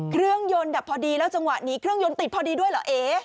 เครื่องยนต์ดับพอดีแล้วจังหวะนี้เครื่องยนต์ติดพอดีด้วยเหรอเอ๋